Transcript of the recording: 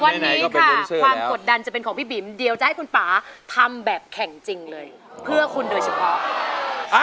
วันนี้ค่ะความกดดันจะเป็นของพี่บิ๋มเดี๋ยวจะให้คุณป่าทำแบบแข่งจริงเลยเพื่อคุณโดยเฉพาะ